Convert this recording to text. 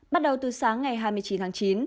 bắt đầu từ sáng ngày hai mươi chín tháng chín